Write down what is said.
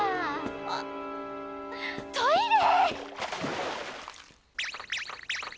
あっトイレ！